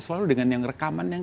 selalu dengan yang rekaman yang